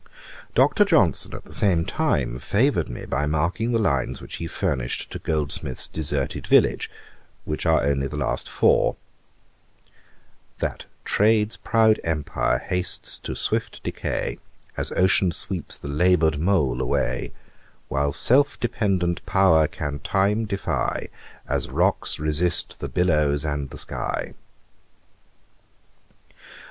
Dr. Johnson at the same time favoured me by marking the lines which he furnished to Goldsmith's Deserted Village, which are only the last four: 'That trade's proud empire hastes to swift decay, As ocean sweeps the labour'd mole away: While self dependent power can time defy, As rocks resist the billows and the sky.'